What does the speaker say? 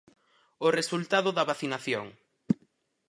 O resultado da vacinación.